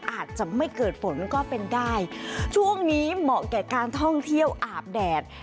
อาจจะไม่เกิดฝนก็เป็นได้ช่วงนี้เหมาะแก่การท่องเที่ยวอาบแดด